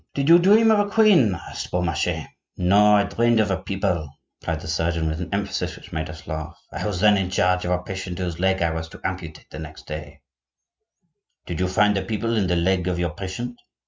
"Did you dream of a queen?" asked Beaumarchais. "No, I dreamed of a People," replied the surgeon, with an emphasis which made us laugh. "I was then in charge of a patient whose leg I was to amputate the next day—" "Did you find the People in the leg of your patient?"